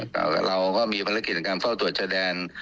แต่เราก็มีภารกิจในการเฝ้าตรวจชายแดน